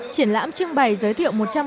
triển lãm trưng bày giới thiệu